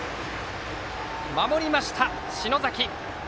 守りました、篠崎。